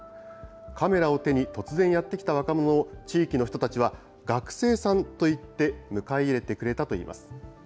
カメラを手に、突然やって来た若者を、地域の人たちは、学生さんと言って迎え入れてくれたといいます。